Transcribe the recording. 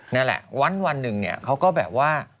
นั่นแหละวันหนึ่งเนี่ยเขาก็แบบว่า